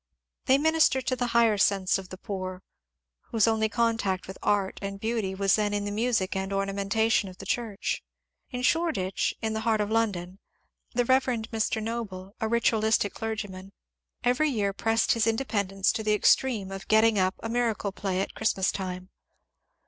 They minister to the higher sense of the poor^ whose only contact with art and beauty was then in the music and ornamentation of the church. In Shoreditch, in the heart of London, the Rev. Mr. Noble, a ritualistic clergyman, every year pressed his independence to the extreme of getting up a miracle play at Christmas time.